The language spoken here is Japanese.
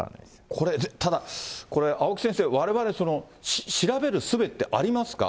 これただ、青木先生、われわれ調べるすべってありますか。